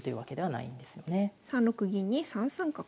３六銀に３三角。